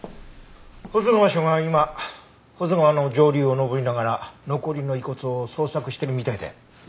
保津川署が今保津川の上流を上りながら残りの遺骨を捜索しているみたいだよ。